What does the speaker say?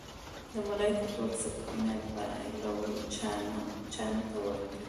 د ملایکو ټول صفتونه یې پایلوچانو ته ورکړي.